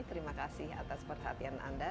terima kasih atas perhatian anda